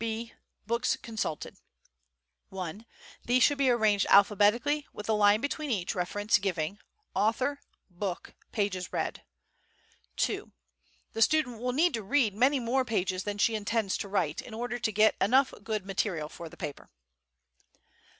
B. Books consulted. 1. These should be arranged alphabetically with a line between each reference giving: Author. Book. Pages read. 2. The student will need to read many more pages than she intends to write in order to get enough good material for the paper.